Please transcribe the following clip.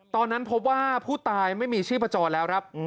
ตอนนั้นพบว่าผู้ตายไม่มีชีพจรแล้วครับ